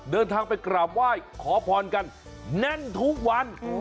เดินทางไปกราบไหว้ขอพรกันแน่นทุกวัน